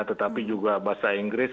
tetapi juga bahasa inggris